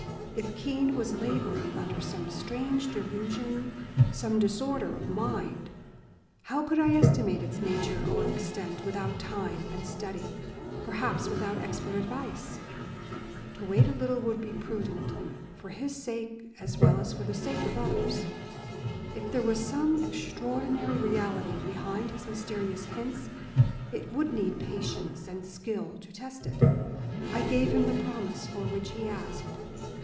If Keene was labouring under some strange delusion, some disorder of mind, how could I estimate its nature or extent, without time and study, perhaps without expert advice? To wait a little would be prudent, for his sake as well as for the sake of others. If there was some extraordinary, reality behind his mysterious hints, it would need patience and skill to test it. I gave him the promise for which he asked.